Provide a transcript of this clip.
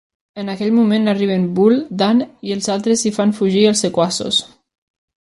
En aquell moment arriben Bull, Dan i els altres i fan fugir els sequaços.